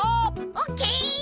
オッケー！